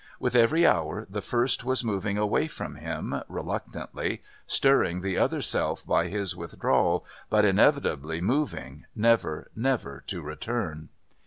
With every hour the first was moving away from him, reluctantly, stirring the other self by his withdrawal but inevitably moving, never, never to return.